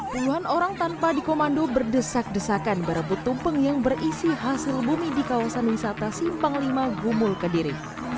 puluhan orang tanpa dikomando berdesak desakan berebut tumpeng yang berisi hasil bumi di kawasan wisata simpang lima gumul kediri